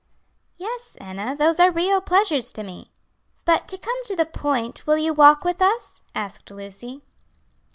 "Yes. Enna; those are real pleasures to me." "But to come to the point, will you walk with us?" asked Lucy.